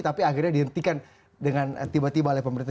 tapi akhirnya dihentikan dengan tiba tiba oleh pemerintah